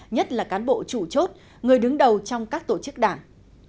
nhất là cán bộ chủ chốt người đứng đầu trong các tổ chức đảng